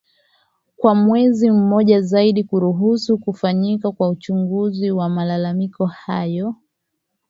kwa mwezi mmoja zaidi kuruhusu kufanyika kwa uchunguza wa malalamiko hayo